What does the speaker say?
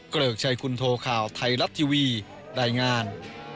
เกริกชัยคุณโทข่าวไทยรัฐทีวีรายงาน